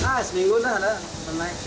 nah seminggu sudah ada naik